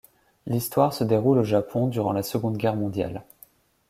L'histoire se déroule au Japon durant la Seconde Guerre mondiale.